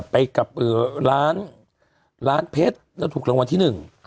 ไปกับร้านเพชรแล้วถูกรางวัลที่๑